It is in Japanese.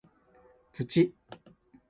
土